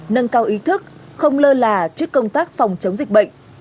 nâng cao ý thức không lơ là trước công tác phòng chống dịch bệnh